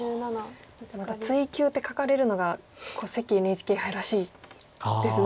また「追求」って書かれるのが関ＮＨＫ杯らしいですね。